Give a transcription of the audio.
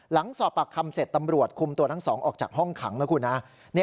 หลังสอบปากคำเสร็จตำรวจคุมตัวทั้งสองออกจากห้องขังนะคุณนะ